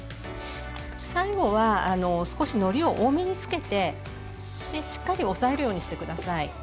最後は少しのりを多めにつけてしっかり押さえるようにして下さい。